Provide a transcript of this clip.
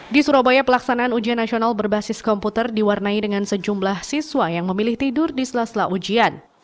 di surabaya pelaksanaan ujian nasional berbasis komputer diwarnai dengan sejumlah siswa yang memilih tidur di sela sela ujian